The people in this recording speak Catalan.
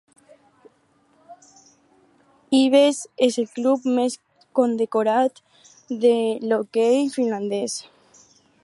Ilves és el club més condecorat de l'hoquei finlandès.